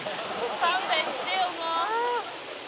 「勘弁してよもう」